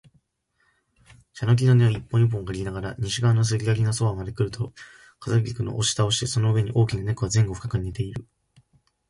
茶の木の根を一本一本嗅ぎながら、西側の杉垣のそばまでくると、枯菊を押し倒してその上に大きな猫が前後不覚に寝ている